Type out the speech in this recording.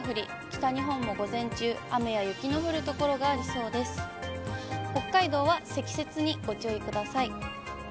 北海道は積雪にご注意ください。